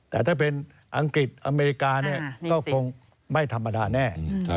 แต่ถ้าเป็นอังกฤษอเมริกาก็คงไม่ธรรมดาแน่